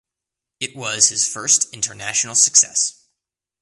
It was his first international success.